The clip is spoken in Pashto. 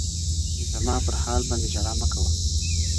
زما پر حال باندي ژړا مـــــــــه كـــــــــــوه_